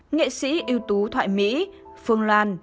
nghệ sĩ ưu tú thoại mỹ phương loan